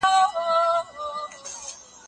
نوښت باید د خلګو د چلند پراساس وي.